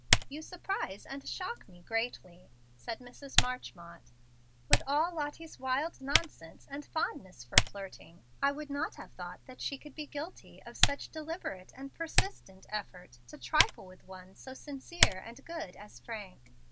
"You surprise and shock me greatly," said Mrs. Marchmont. "With all Lottie's wild nonsense and fondness for flirting, I would not have thought that she could be guilty of such deliberate and persistent effort to trifle with one so sincere and good as Frank.